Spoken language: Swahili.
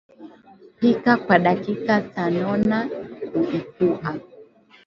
Pika kwa dakika tanona kuipua